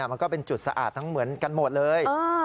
มันก็เป็นจุดสะอาดทั้งเหมือนกันหมดเลย